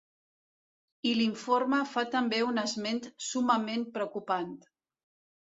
I l’informe fa també un esment summament preocupant.